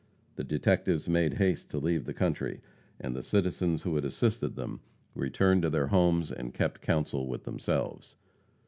The detectives made haste to leave the country, and the citizens who had assisted them returned to their homes and kept counsel with themselves.